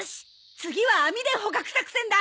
次は網で捕獲作戦だ！